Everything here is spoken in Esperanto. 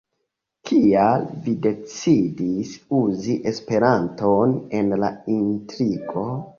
Kial vi decidis uzi Esperanton en la intrigo?